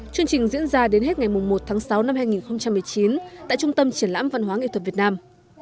chương trình diễn ra đến hết ngày một tháng sáu năm hai nghìn một mươi chín tại trung tâm triển lãm văn hóa nghệ thuật việt nam